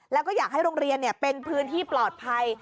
แล้วก็อยากให้โรงเรียนเป็นพื้นที่ปลอดภัย